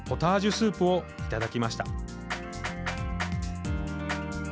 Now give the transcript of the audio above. スープをいただきました。